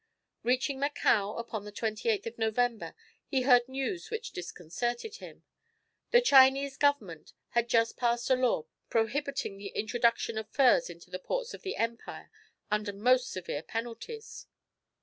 Reaching Macao upon the 28th of November, he heard news which disconcerted him. The Chinese Government had just passed a law prohibiting the introduction of furs into the ports of the empire under most severe penalties.